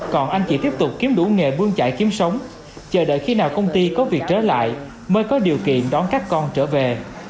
còn anh chỉ tiếp tục kiếm đủ nghề buông chạy kiếm sống chờ đợi khi nào công ty có việc trở lại mới có điều kiện đón các con trở về